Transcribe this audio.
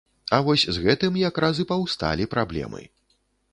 А вось з гэтым якраз і паўсталі праблемы.